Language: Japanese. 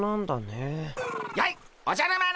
やいおじゃる丸！